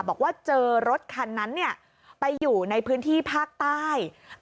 บอกว่าเจอรถคันนั้นไปอยู่ในพื้นที่ภาคใต้